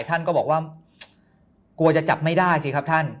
ท่านก็บอกว่ากลัวจะจับไม่ได้สิครับท่าน